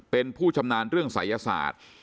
เป็นผู้ชำนาญเรื่องศัยศาสตร์